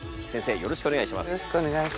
よろしくお願いします！